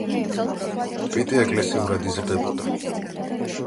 პიტი ეკლესიურად იზრდებოდა.